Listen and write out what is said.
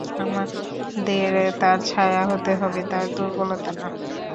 আমাদের তার ছায়া হতে হবে, তার দূর্বলতা না।